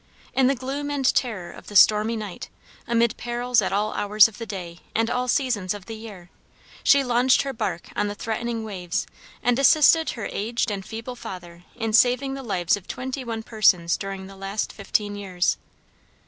In the gloom and terror of the stormy night, amid perils at all hours of the day and all seasons of the year, she launched her barque on the threatening waves, and assisted her aged and feeble father in saving the lives of twenty one persons during the last fifteen years.